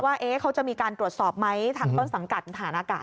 ว่าเขาจะมีการตรวจสอบไหมทางต้นสังกัดฐานอากาศ